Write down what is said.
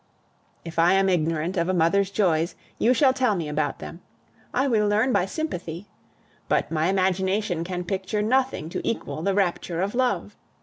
If I am ignorant of a mother's joys, you shall tell me about them; I will learn by sympathy. But my imagination can picture nothing to equal the rapture of love.